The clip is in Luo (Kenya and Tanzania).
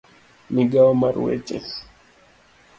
Migawo mar weche